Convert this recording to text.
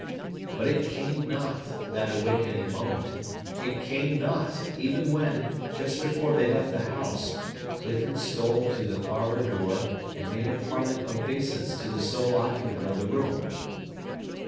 But it came not, that awakening moment! It came not, even when, just before they left the house, Clifford stole to the parlor door, and made a parting obeisance to the sole occupant of the room.